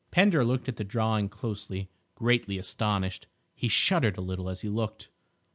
Pender looked at the drawing closely, greatly astonished. He shuddered a little as he looked.